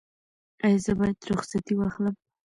ایا زه باید رخصتي واخلم؟